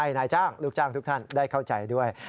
นายจ้างลูกจ้างทุกท่านได้เข้าใจด้วย